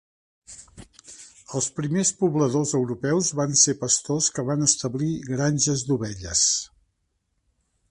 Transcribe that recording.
Els primers pobladors europeus van ser pastors que van establir granges d'ovelles.